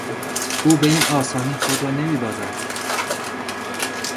او به این آسانی خود را نمیبازد.